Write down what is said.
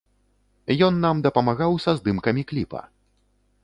Ён нам дапамагаў са здымкамі кліпа.